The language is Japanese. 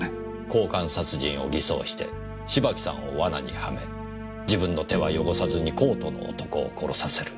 交換殺人を偽装して芝木さんを罠にはめ自分の手は汚さずにコートの男を殺させる。